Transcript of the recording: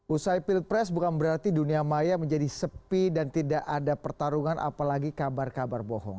usai pilpres bukan berarti dunia maya menjadi sepi dan tidak ada pertarungan apalagi kabar kabar bohong